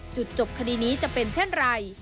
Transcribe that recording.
จบคดีนี้จะเป็นเช่นไร